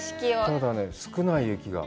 ただね、少ない、雪が。